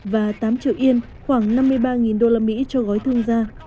và tám triệu yên khoảng năm mươi ba usd cho gói thương gia